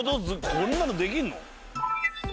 こんなのできんの？